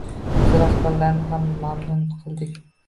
Biz rahbarlarni ham mamnun qildi.